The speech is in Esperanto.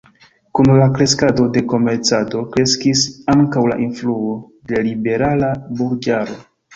Kun la kreskado de komercado kreskis ankaŭ la influo de liberala burĝaro.